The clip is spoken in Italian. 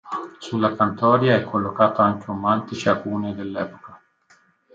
Sulla cantoria è collocato anche un mantice a cuneo dell'epoca.